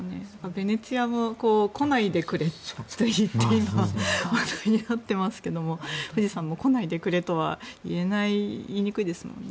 ベネチアも来ないでくれと言って今、話題になっていますけど富士山も来ないでくれとは言いにくいですもんね。